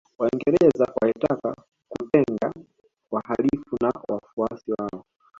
Waingereza walitaka kutenga wahalifu na wafuasi wao